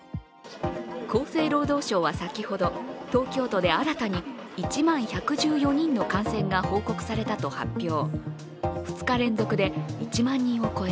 厚生労働省は先ほど、東京都で新たに１万１１４人の感染が報告されたと発表。